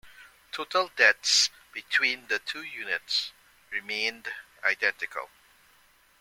Total deaths between the two units remained identical.